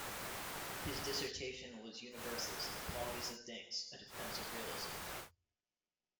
His dissertation was Universals and the Qualities of Things: A defense of Realism.